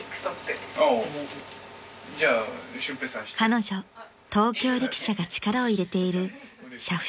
［彼女東京力車が力を入れている俥夫